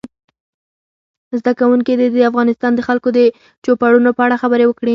زده کوونکي دې د افغانستان د خلکو د چوپړونو په اړه خبرې وکړي.